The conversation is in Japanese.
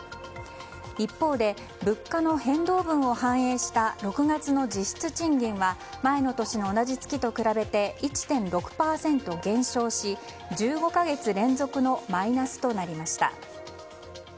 一方で、物価の変動分を反映した６月の実質賃金は前の年の同じ月と比べて１．６％減少し、１５か月連続のマイナスとなりました。